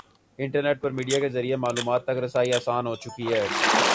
Internet پر media کے ذریعے معلومات تک رسائی آسان ہو چکی ہے۔